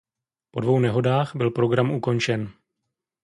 Po dvou nehodách byl program ukončen.